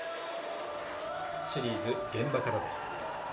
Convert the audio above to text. シリーズ「現場から」です